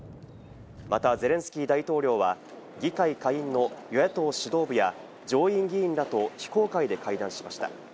またゼレンスキー大統領は、議会下院の与野党指導部や、上院議員らと非公開で会談しました。